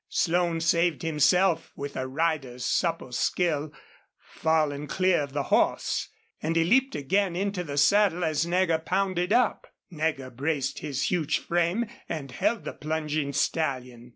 Slone saved himself with a rider's supple skill, falling clear of the horse, and he leaped again into the saddle as Nagger pounded up. Nagger braced his huge frame and held the plunging stallion.